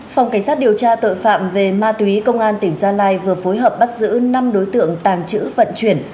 phòng cảnh sát điều tra tội phạm về ma túy công an tỉnh gia lai vừa phối hợp bắt giữ năm đối tượng tàng trữ vận chuyển